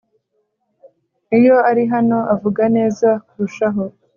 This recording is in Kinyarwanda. Iyo ari hano avuga neza kurushaho